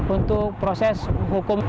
untuk proses hukum